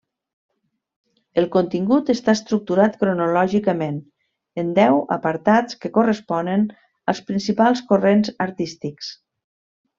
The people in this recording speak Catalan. El contingut està estructurat cronològicament en deu apartats que corresponen als principals corrents artístics.